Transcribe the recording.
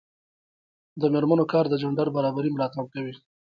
د میرمنو کار د جنډر برابري ملاتړ کوي.